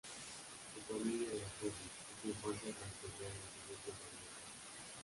Su familia era pobre, y su infancia transcurrió en los suburbios de Hamburgo.